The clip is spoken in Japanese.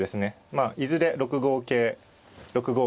まあいずれ６五桂６五